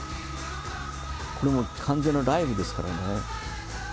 これも完全なライブですからね。